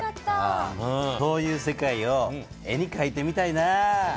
こういう世界を絵にかいてみたいな。